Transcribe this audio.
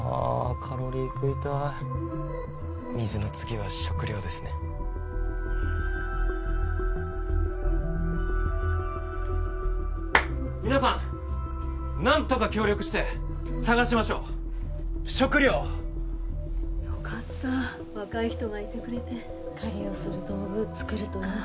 カロリー食いたい水の次は食料ですね皆さん何とか協力して探しましょう食料をよかった若い人がいてくれて狩りをする道具作るといいんじゃない？